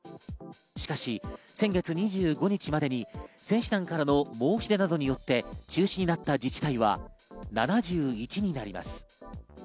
しかし先月２５日までに選手団からの申し出などによって中止になった自治体は７１になります。